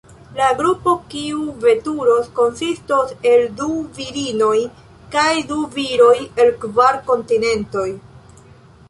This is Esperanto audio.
La grupo, kiu veturos, konsistos el du virinoj kaj du viroj, el kvar kontinentoj.